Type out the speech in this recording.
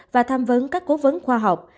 và tham vấn các cố vấn khoa học